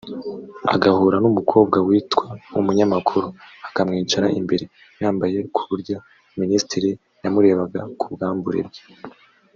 agahura n’umukobwa witwa umunyamakuru akamwicara imbere yambaye ku buryo Minisitiri yamurebaga ku bwambure bwe